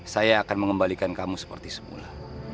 saya akan mengembalikan kamu seperti semula